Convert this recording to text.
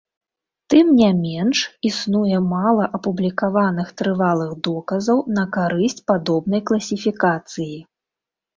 Тым ня менш, існуе мала апублікаваных трывалых доказаў на карысць падобнай класіфікацыі.